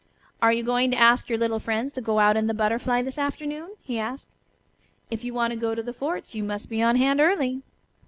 "Are you going to ask your little friends to go out in the Butterfly this afternoon?" he asked. "If you want to go to the forts you must be on hand early."